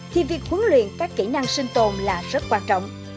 thì việc huấn luyện các kỹ năng sinh tồn là rất quan trọng